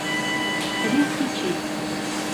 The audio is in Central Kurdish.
خەریکی چیت